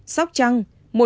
sóc trăng một trăm hai mươi tám